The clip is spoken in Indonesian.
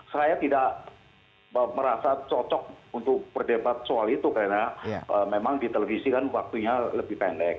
saya tidak merasa cocok untuk berdebat soal itu karena memang di televisi kan waktunya lebih pendek